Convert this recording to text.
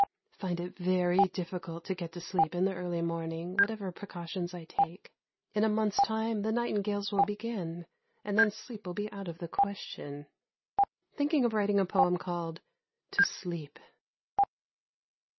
Find it very difficult to get sleep in the early morning, whatever precautions I take. In a month's time the nightingales will begin, and then sleep will be out of the question. Thinking of writing a poem called "To Sleep."